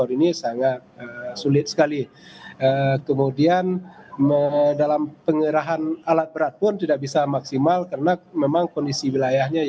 yang membuat penggerahan alat berat itu menjadi tidak maksimal